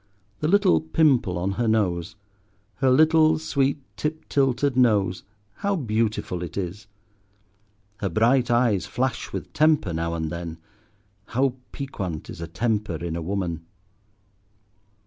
The little pimple on her nose—her little, sweet, tip tilted nose—how beautiful it is. Her bright eyes flash with temper now and then; how piquant is a temper in a woman.